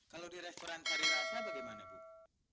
kalau di restoran tari rasa bagaimana bu